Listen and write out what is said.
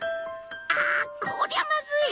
あっこりゃまずい！